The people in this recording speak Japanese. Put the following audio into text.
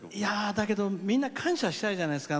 だけど、みんな感謝したいじゃないですか。